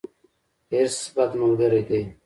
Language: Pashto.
حرص، بد ملګری دی.